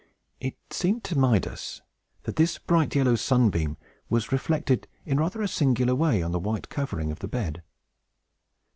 It seemed to Midas that this bright yellow sunbeam was reflected in rather a singular way on the white covering of the bed.